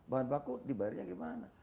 bahan baku dibayarnya bagaimana